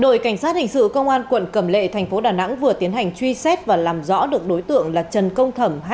đội cảnh sát hình sự công an quận cẩm lệ tp đà nẵng vừa tiến hành truy xét và làm rõ được đối tượng là trần công thẩm